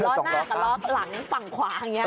หน้ากับล้อหลังฝั่งขวาอย่างนี้